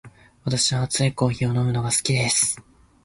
私は熱いコーヒーを飲むのが好きです。